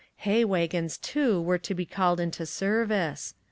Hay wagons, too, were to be called into service.